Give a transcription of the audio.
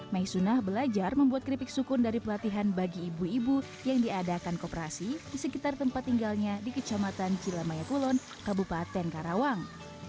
maisunah belajar membuat keripik sukun dari pelatihan bagi ibu ibu yang diadakan kooperasi di sekitar tempat tinggalnya di kecamatan cilamaya kulon kabupaten karawang